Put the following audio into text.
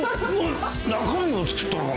中身も作ったのか？